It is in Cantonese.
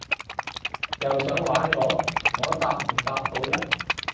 又想玩我？我答唔答好呢？